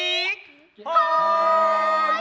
はい！